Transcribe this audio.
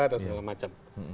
dan segala macam